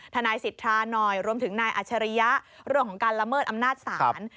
ทนายสิทธาหน่อยรวมถึงนายอัชริยะเรื่องของการละเมิดอำนาจศาล